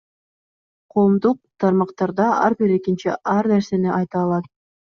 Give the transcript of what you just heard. Коомдук тармактарда ар бир экинчи ар нерсени айта алат.